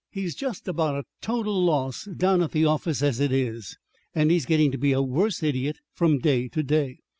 He's just about a total loss down at the office as it is, and he's getting a worse idiot from day to day.